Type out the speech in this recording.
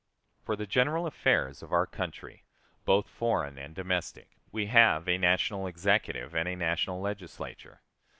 For the general affairs of our country, both foreign and domestic, we have a national Executive and a national Legislature.